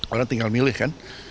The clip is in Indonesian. orang tinggal milih kan